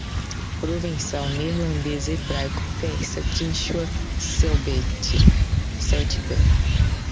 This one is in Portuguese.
provençal, neerlandês, hebraico, persa, quíchua, celtibera